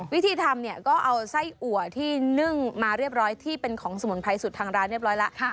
วิธีทำเนี่ยก็เอาไส้อัวที่นึ่งมาเรียบร้อยที่เป็นของสมุนไพรสุดทางร้านเรียบร้อยแล้ว